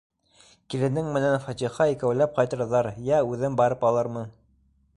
Киленең менән Фатиха икәүләп ҡайтырҙар йә үҙем барып алырмын.